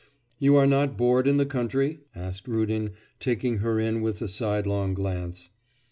'You are not bored in the country?' asked Rudin, taking her in with a sidelong glance.